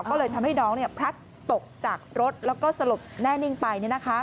ก็เลยทำให้น้องพลัดตกจากรถแล้วก็สลบแน่นิ่งไป